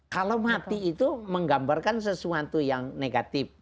kalau mati itu menggambarkan sesuatu yang tidak berhasil